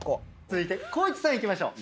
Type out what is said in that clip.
続いて光一さんいきましょう。